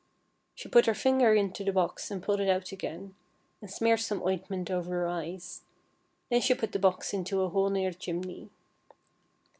She put her finger into the box and pulled it out again, and smeared some ointment over her eyes. Then she put the box into a hole near the chimney.